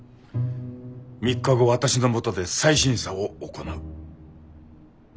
３日後私のもとで再審査を行う。